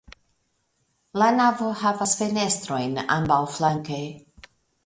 La navo havas fenestrojn ambaŭflanke.